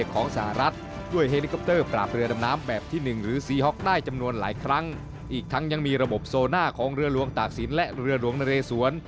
ของเรือลวงตากศีลและเรือลวงนเรสวน